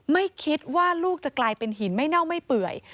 ไม่คิดว่าลูกจะกลายเป็นหินไม่เน่าไม่เปื่อย